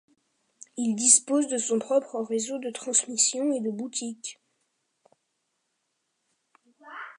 Il dispose de son propre réseau de transmission et de boutiques.